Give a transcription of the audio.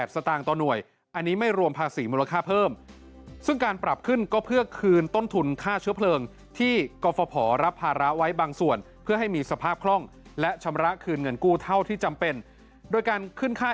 สตางค์ต่อหน่วยอันนี้ไม่รวมภาษีมูลค่าเพิ่มซึ่งการปรับขึ้นก็เพื่อคืนต้นทุนค่าเชื้อเพลิงที่กรฟภรับภาระไว้บางส่วนเพื่อให้มีสภาพคล่องและชำระคืนเงินกู้เท่าที่จำเป็นโดยการขึ้นค่า